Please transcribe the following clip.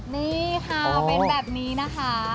นี่ค่ะเป็นแบบนี้นะคะ